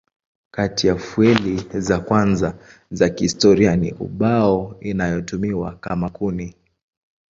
Kati ya fueli za kwanza za historia ni ubao inayotumiwa kama kuni.